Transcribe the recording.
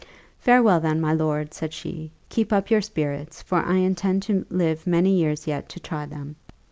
"Farewell, then, my lord!" said she: "keep up your spirits, for I intend to live many years yet to try them."